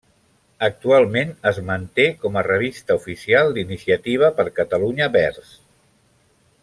Actualment es manté com a revista oficial d’Iniciativa per Catalunya Verds.